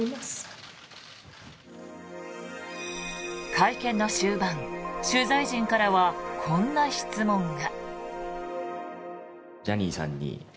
会見の終盤、取材陣からはこんな質問が。